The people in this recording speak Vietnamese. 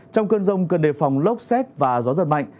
trong cơn rông cần đề phòng lốc xét và gió giật mạnh